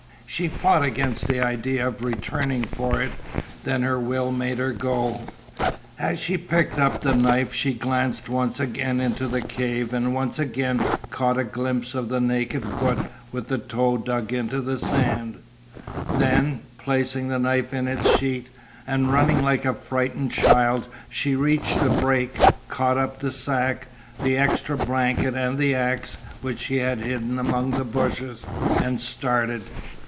She fought against the idea of returning for it. Then her will made her go. As she picked up the knife she glanced once again into the cave and once again caught a glimpse of the naked foot with the toe dug into the sand; then, placing the knife in its sheath and running like a frightened child she reached the break, caught up the sack, the extra blanket and the axe, which she had hidden among the bushes, and started.